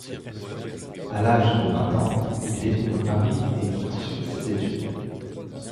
À l'âge de vingt ans, il découvre Paris et y poursuit ses études.